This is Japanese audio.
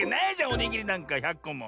おにぎりなんか１００こも。